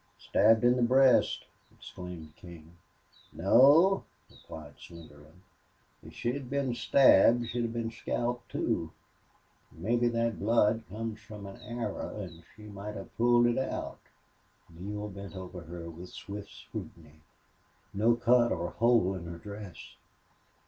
"Stabbed in the breast!" exclaimed King. "No," replied Slingerland. "If she'd been stabbed she'd been scalped, too. Mebbe thet blood comes from an arrow an' she might hev pulled it out." Neale bent over her with swift scrutiny. "No cut or hole in her dress!"